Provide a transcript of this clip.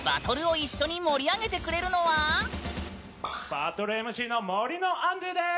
バトルＭＣの森のアンドゥーです。